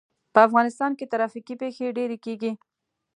په افغانستان کې ترافیکي پېښې ډېرې کېږي.